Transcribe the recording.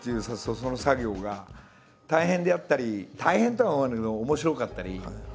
その作業が大変であったり大変とは思わないんだけど面白かったり。